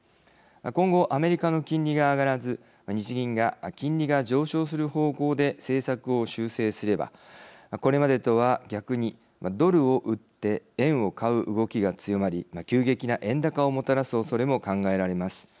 今後、アメリカの金利が上がらず日銀が金利が上昇する方向で政策を修正すればこれまでとは逆に、ドルを売って円を買う動きが強まり急激な円高をもたらすおそれも考えられます。